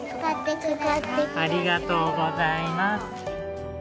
ありがとうございます。